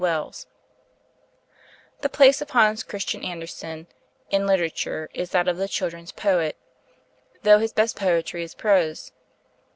WELLS The place of Hans Christian Andersen in literature is that of the "Children's Poet," though his best poetry is prose.